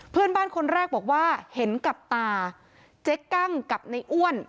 เพื่อนบ้านคนแรกบอกว่าเห็นกับตาเจ๊กั้งกับในอ้วน